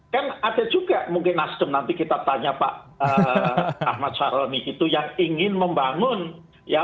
kan ada juga mungkin nasdem nanti kita tanya pak ahmad saroni itu yang ingin membangun ya